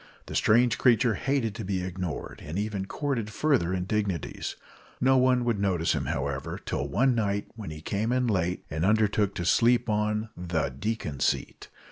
The strange creature hated to be ignored, and even courted further indignities. No one would notice him, however, till one night when he came in late, and undertook to sleep on the "deacon seat."